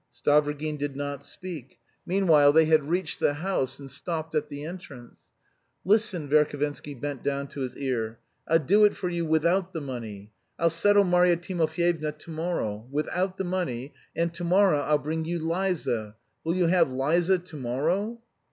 Stavrogin did not speak. Meanwhile they had reached the house and stopped at the entrance. "Listen," Verhovensky bent down to his ear. "I'll do it for you without the money. I'll settle Marya Timofyevna to morrow!... Without the money, and to morrow I'll bring you Liza. Will you have Liza to morrow?"